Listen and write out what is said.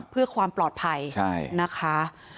เพื่อความปลอดภัยนะคะ